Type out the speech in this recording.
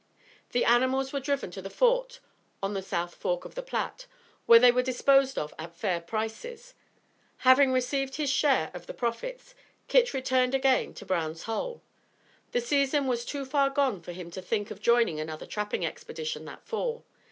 The animals were driven to the Fort on the South Fork of the Platte, where they were disposed of at fair prices. Having received his share of the profits, Kit returned again to Brown's Hole. The season was too far gone for him to think of joining another trapping expedition that fall.